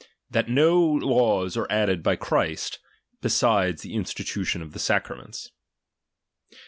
That no laws are added by Christ, beside the insti tution of the sacraments.